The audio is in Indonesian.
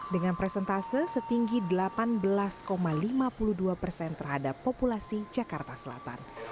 dengan presentase setinggi delapan belas lima puluh dua persen terhadap populasi jakarta selatan